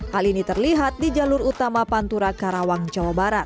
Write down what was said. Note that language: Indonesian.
hal ini terlihat di jalur utama pantura karawang jawa barat